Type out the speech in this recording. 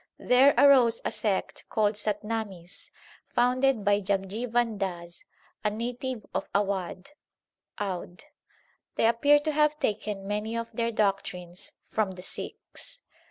There arose a sect called Satnamis founded by Jagjivan Das, a native of Awadh (Oude). They appear to have taken many of their doctrines from the Sikhs.